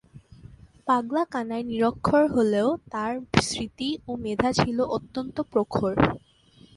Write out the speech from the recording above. পাগলা কানাই নিরক্ষর হলেও তার স্মৃতি ও মেধা ছিল অত্যন্ত প্রখর।